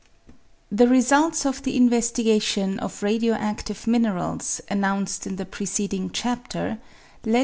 The results of the investigation of radio adtive minerals, announced in the preceding chapter, led M.